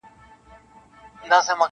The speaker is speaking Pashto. چي پخپله چا تغییر نه وي منلی--!